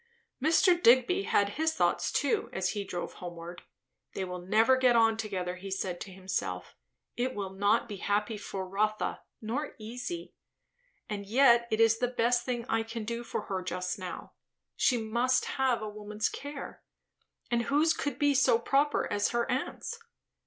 Mr. Digby had his thoughts too as he drove homeward. They will never get on together, he said to himself. It will not be happy for Rotha, nor easy. And yet it is the best thing I can do for her just now. She must have a woman's care; and whose could be so proper as her aunt's?